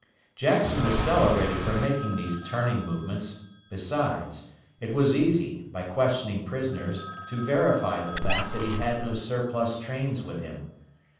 Jackson was celebrated for making these turning movements; besides, it was easy, by questioning prisoners, to verify the fact that he had no surplus trains with him.